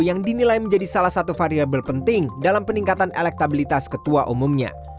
yang dinilai menjadi salah satu variable penting dalam peningkatan elektabilitas ketua umumnya